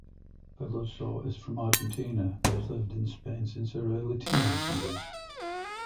Peluso is from Argentina but has lived in Spain since her early teenage years.